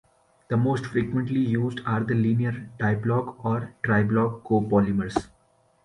The most frequently used are the linear diblock or triblock copolymers.